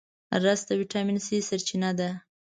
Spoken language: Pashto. رس د ویټامین C سرچینه ده